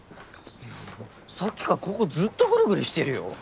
さっきからここずっとグルグルしてるよ。